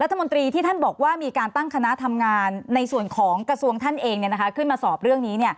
รัฐมนตรีที่ท่านบอกว่ามีการตั้งคณะทำงานในส่วนของกระทรวงท่านเองขึ้นมาสอบเรื่องนี้